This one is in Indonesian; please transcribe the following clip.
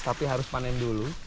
tapi harus panen dulu